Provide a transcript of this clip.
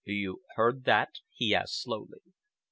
"You heard that?" he asked slowly.